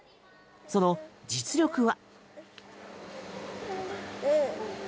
その実力は。